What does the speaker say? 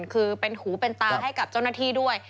คือเป็นหูเป็นตาให้กับเจ้าหน้าที่ด้วย